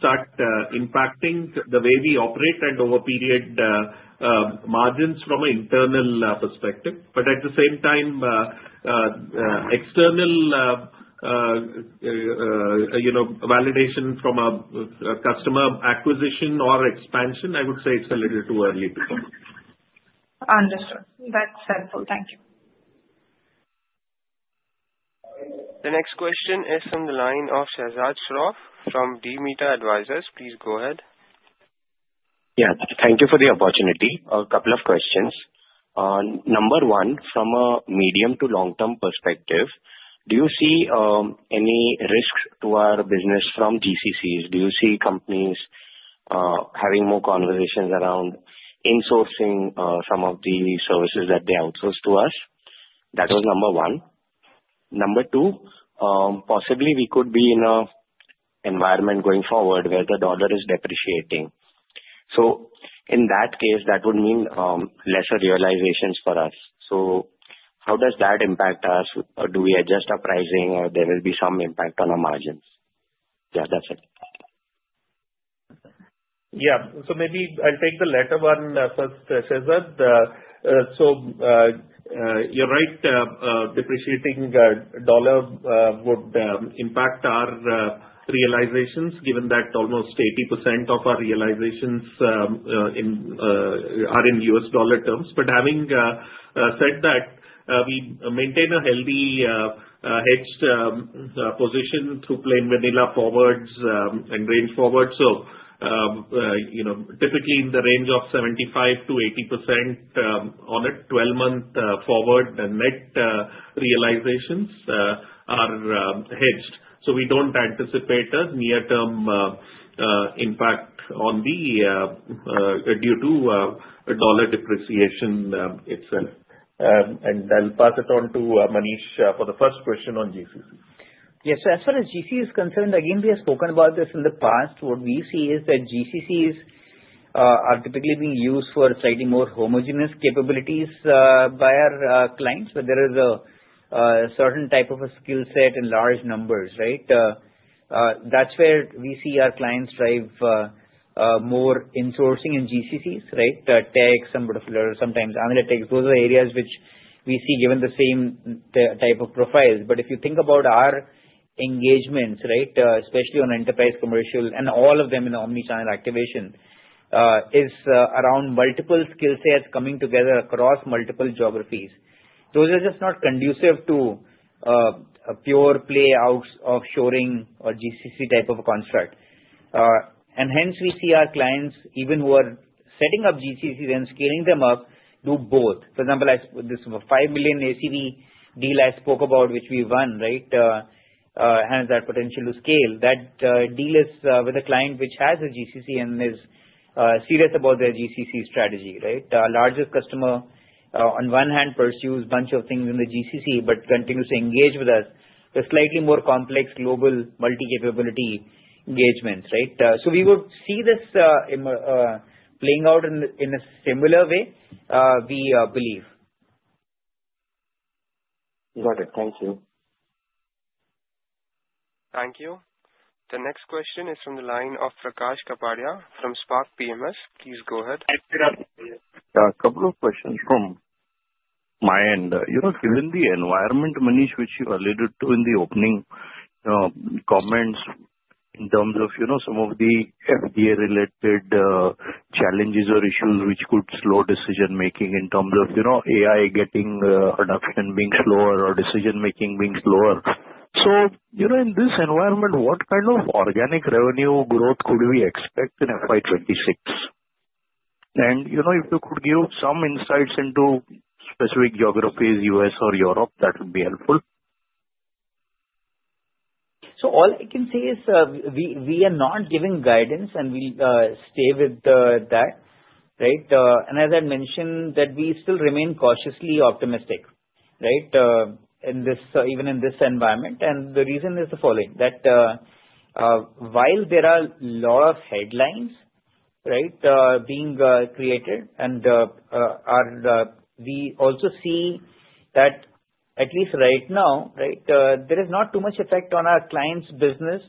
Speaker 3: start impacting the way we operate and over period margins from an internal perspective. But at the same time, external validation from a customer acquisition or expansion, I would say it's a little too early to come.
Speaker 10: Understood. That's helpful.
Speaker 1: Thank you. The next question is from the line of Shahzad Shroff from DMeta Advisors. Please go ahead.
Speaker 11: Yeah. Thank you for the opportunity. A couple of questions. Number one, from a medium- to long-term perspective, do you see any risks to our business from GCCs? Do you see companies having more conversations around insourcing some of the services that they outsource to us? That was number one. Number two, possibly we could be in an environment going forward where the dollar is depreciating. So in that case, that would mean lesser realizations for us. So how does that impact us? Do we adjust our pricing, or there will be some impact on our margins? Yeah, that's it. Yeah.
Speaker 2: So maybe I'll take the latter one first, Shahzad. So you're right. Depreciating dollar would impact our realizations given that almost 80% of our realizations are in U.S. dollar terms. But having said that, we maintain a healthy hedged position through plain vanilla forwards and range forwards. So typically in the range of 75%-80% on a 12-month forward, the net realizations are hedged. So we don't anticipate a near-term impact on the due to dollar depreciation itself. And I'll pass it on to Manish for the first question on GCC.
Speaker 3: Yes. So as far as GCC is concerned, again, we have spoken about this in the past. What we see is that GCCs are typically being used for slightly more homogeneous capabilities by our clients. But there is a certain type of a skill set in large numbers, right? That's where we see our clients drive more insourcing in GCCs, right? Tech, some sort of sometimes analytics. Those are areas which we see given the same type of profiles. But if you think about our engagements, right, especially on enterprise commercial, and all of them in omnichannel activation, is around multiple skill sets coming together across multiple geographies. Those are just not conducive to a pure play offshoring or GCC type of a construct. And hence, we see our clients, even who are setting up GCCs and scaling them up, do both. For example, this five million ACV deal I spoke about, which we won, right, has that potential to scale. That deal is with a client which has a GCC and is serious about their GCC strategy, right? A larger customer, on one hand, pursues a bunch of things in the GCC but continues to engage with us with slightly more complex global multi-capability engagements, right? So we would see this playing out in a similar way, we believe.
Speaker 11: Got it. Thank you. Thank you.
Speaker 1: The next question is from the line of Prakash Kapadia from Spark PMS. Please go ahead.
Speaker 12: A couple of questions from my end. Given the environment, Manish, which you alluded to in the opening comments in terms of some of the FDA-related challenges or issues which could slow decision-making in terms of AI getting production being slower or decision-making being slower. So in this environment, what kind of organic revenue growth could we expect in FY26? And if you could give some insights into specific geographies, U.S. or Europe, that would be helpful.
Speaker 3: So all I can say is we are not giving guidance, and we'll stay with that, right? And as I mentioned, that we still remain cautiously optimistic, right, even in this environment. And the reason is the following. That while there are a lot of headlines, right, being created, and we also see that at least right now, right, there is not too much effect on our clients' business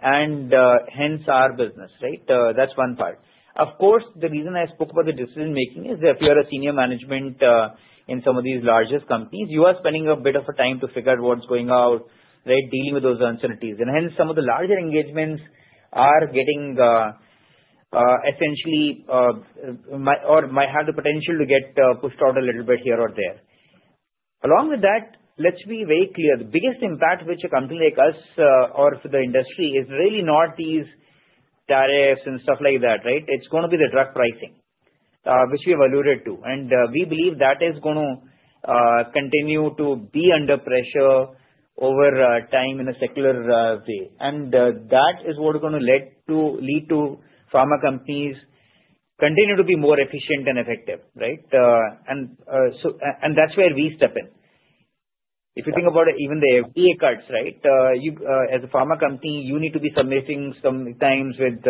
Speaker 3: and hence our business, right? That's one part. Of course, the reason I spoke about the decision-making is that if you are a senior management in some of these largest companies, you are spending a bit of time to figure out what's going out, right, dealing with those uncertainties. And hence, some of the larger engagements are getting essentially or might have the potential to get pushed out a little bit here or there. Along with that, let's be very clear. The biggest impact which a company like us or the industry is really not these tariffs and stuff like that, right? It's going to be the drug pricing, which we have alluded to. And we believe that is going to continue to be under pressure over time in a secular way. And that is what is going to lead to pharma companies continue to be more efficient and effective, right? And that's where we step in. If you think about even the FDA guardrails, right, as a pharma company, you need to be submitting sometimes with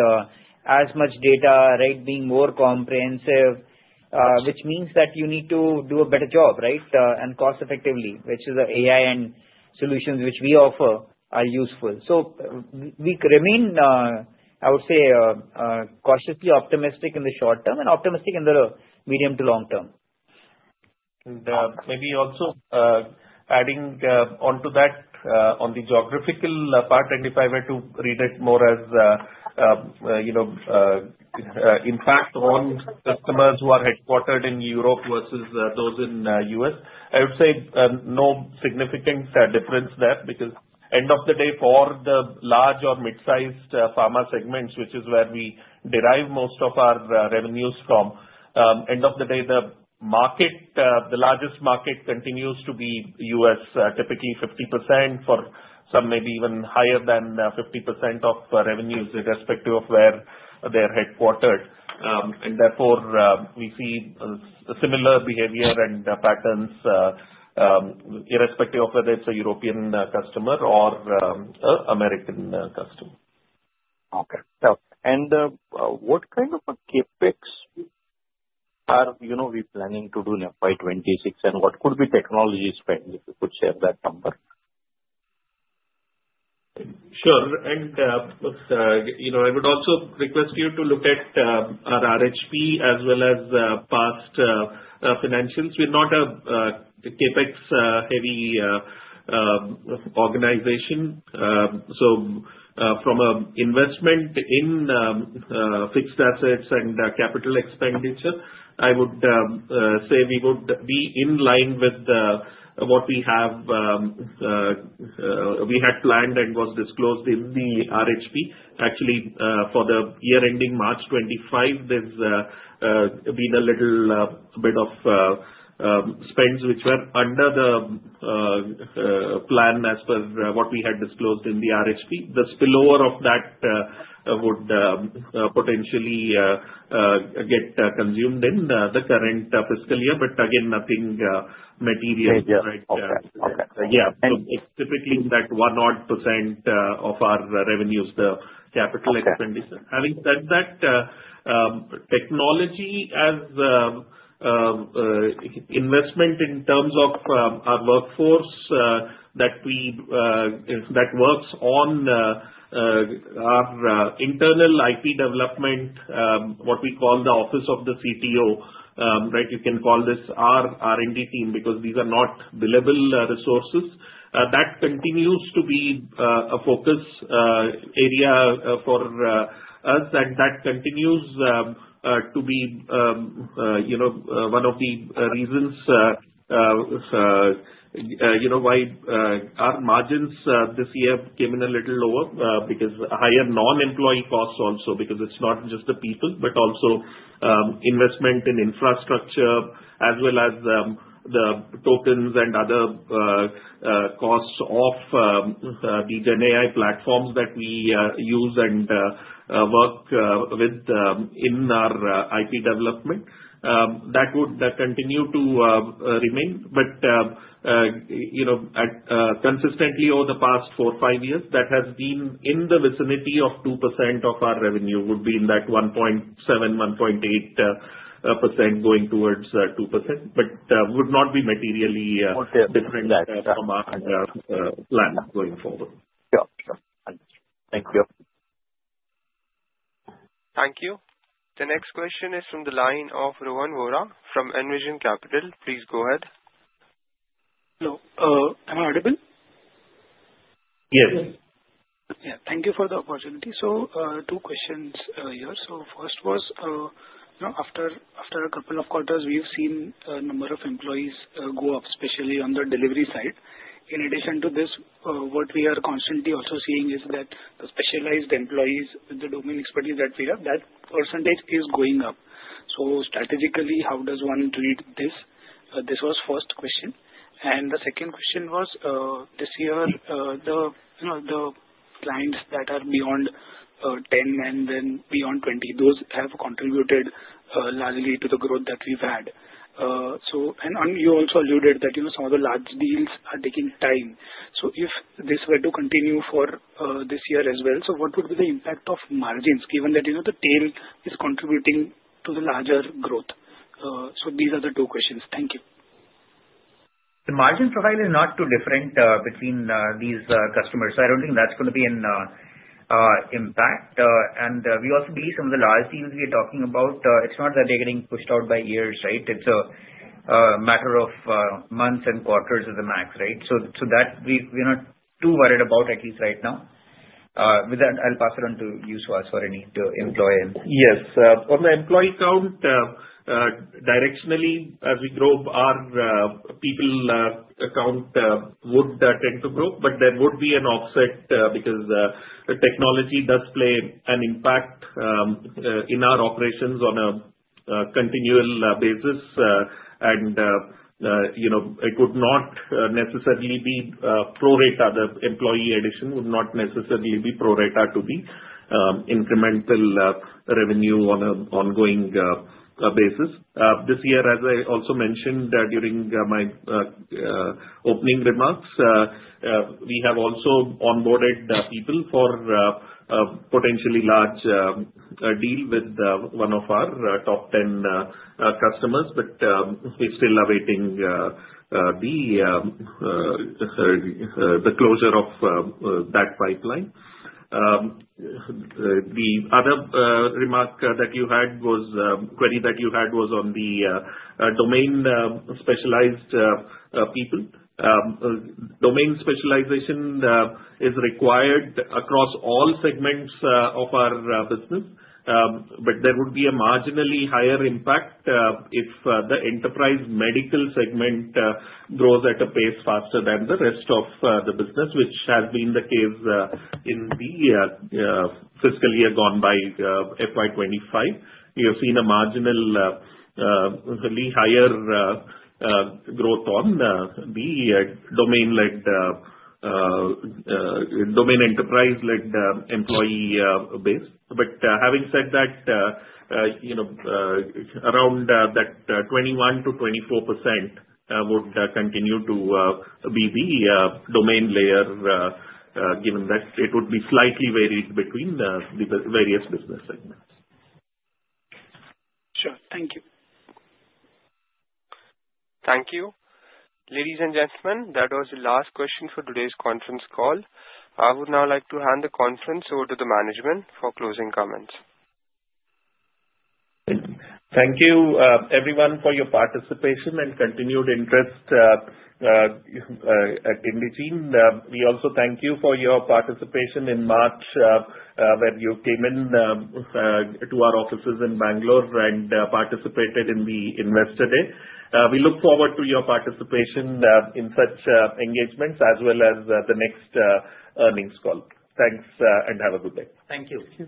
Speaker 3: as much data, right, being more comprehensive, which means that you need to do a better job, right, and cost-effectively, which is the AI and solutions which we offer are useful. So we remain, I would say, cautiously optimistic in the short term and optimistic in the medium to long term. And maybe also adding onto that on the geographical part, and if I were to read it more as impact on customers who are headquartered in Europe versus those in the U.S., I would say no significant difference there because end of the day, for the large or mid-sized pharma segments, which is where we derive most of our revenues from, end of the day, the market, the largest market continues to be U.S., typically 50% for some maybe even higher than 50% of revenues irrespective of where they're headquartered. And therefore, we see similar behavior and patterns irrespective of whether it's a European customer or American customer.
Speaker 12: Okay. And what kind of a CapEx are we planning to do in FY26, and what could be technology spend if you could share that number?
Speaker 4: Sure. I would also request you to look at our RHP as well as past financials. We're not a CapEx-heavy organization. So from an investment in fixed assets and capital expenditure, I would say we would be in line with what we had planned and was disclosed in the RHP. Actually, for the year ending March 2025, there's been a little bit of spends which were under the plan as per what we had disclosed in the RHP. The spillover of that would potentially get consumed in the current fiscal year. But again, nothing material, right?
Speaker 12: Yeah. Okay. Okay. Yeah. So it's typically that one odd % of our revenues, the capital expenditure. Having said that, technology as investment in terms of our workforce that works on our internal IP development, what we call the office of the CTO, right?
Speaker 3: You can call this our R&D team because these are not billable resources. That continues to be a focus area for us, and that continues to be one of the reasons why our margins this year came in a little lower because higher non-employee costs also because it's not just the people, but also investment in infrastructure as well as the tokens and other costs of the GenAI platforms that we use and work with in our IP development. That would continue to remain. But consistently over the past four, five years, that has been in the vicinity of 2% of our revenue would be in that 1.7%, 1.8% going towards 2%, but would not be materially different from our plan going forward.
Speaker 1: Sure. Sure. Thank you. Thank you. The next question is from the line of Rohan Vora from Envision Capital. Please go ahead.
Speaker 13: Hello. Am I audible? Yes. Yeah. Thank you for the opportunity. So two questions here. So first was, after a couple of quarters, we've seen a number of employees go up, especially on the delivery side. In addition to this, what we are constantly also seeing is that the specialized employees with the domain expertise that we have, that percentage is going up. So strategically, how does one treat this? This was first question. And the second question was, this year, the clients that are beyond 10 and then beyond 20, those have contributed largely to the growth that we've had. And you also alluded that some of the large deals are taking time. So if this were to continue for this year as well, so what would be the impact of margins given that the tail is contributing to the larger growth? So these are the two questions. Thank you.
Speaker 3: The margin profile is not too different between these customers. So I don't think that's going to be an impact. And we also believe some of the large deals we are talking about, it's not that they're getting pushed out by years, right? It's a matter of months and quarters at the max, right? So we're not too worried about, at least right now. With that, I'll pass it on to you, Suhas, for any employee.
Speaker 4: Yes. On the employee count, directionally, as we grow, our people count would tend to grow, but there would be an offset because technology does play an impact in our operations on a continual basis. And it would not necessarily be pro-rata. The employee addition would not necessarily be pro-rata to the incremental revenue on an ongoing basis. This year, as I also mentioned during my opening remarks, we have also onboarded people for a potentially large deal with one of our top 10 customers, but we're still awaiting the closure of that pipeline. The other remark that you had was a query on the domain-specialized people. Domain specialization is required across all segments of our business, but there would be a marginally higher impact if the Enterprise Medical segment grows at a pace faster than the rest of the business, which has been the case in the fiscal year gone by, FY 2025. We have seen a marginally higher growth on the domain-led, domain Enterprise-led employee base. But having said that, around 21%-24% would continue to be the domain layer given that it would be slightly varied between the various business segments.
Speaker 13: Sure. Thank you.
Speaker 1: Thank you. Ladies and gentlemen, that was the last question for today's conference call. I would now like to hand the conference over to the management for closing comments.
Speaker 2: Thank you, everyone, for your participation and continued interest in Indegene. We also thank you for your participation in March when you came into our offices in Bangalore and participated in the Investor Day. We look forward to your participation in such engagements as well as the next earnings call. Thanks, and have a good day.
Speaker 1: Thank you. Thank you.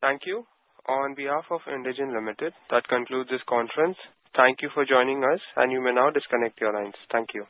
Speaker 1: Thank you. On behalf of Indegene Limited, that concludes this conference. Thank you for joining us, and you may now disconnect your lines. Thank you.